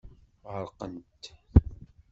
Ɣerqent.